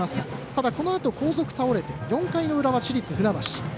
ただ、このあと後続倒れて４回の裏市立船橋。